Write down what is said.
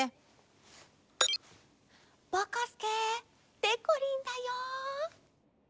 ぼこすけでこりんだよ。